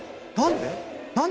何で！？